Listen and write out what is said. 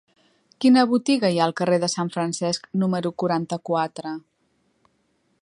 Quina botiga hi ha al carrer de Sant Francesc número quaranta-quatre?